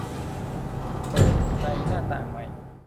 เปิดในหน้าต่างใหม่